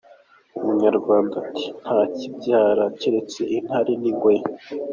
Umunyarwanda ati: "Nta kibyara keretse intare n'ingwe".